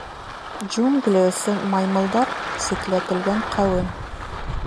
— Джунгли өсөн маймылдар — ситләтелгән ҡәүем.